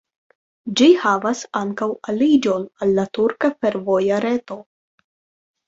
Ĝi havas ankaŭ aliĝon al la turka fervoja reto.